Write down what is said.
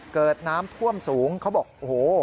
เกิดน้ำท่วมสูงเขาบอกโอ้โห